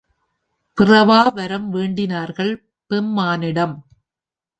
பிறவா வரம் வேண்டினார்கள் பெம்மானிடம்.